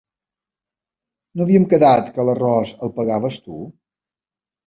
No havíem quedat que l'arròs el pagaves tu?